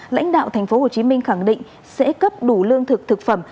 lãnh đạo thành phố hồ chí minh khẳng định sẽ cấp đủ lương thực thực phẩm